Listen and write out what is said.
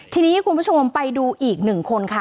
ทีนี้คุณผู้ชมไปดูอีกหนึ่งคนค่ะ